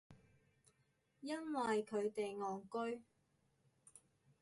因為佢哋戇居